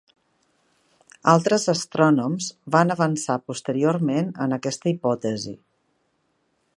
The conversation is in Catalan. Altres astrònoms van avançar posteriorment en aquesta hipòtesi.